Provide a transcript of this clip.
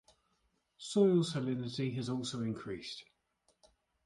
Soil salinity has also increased.